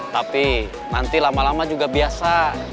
tapi nanti lama lama juga biasa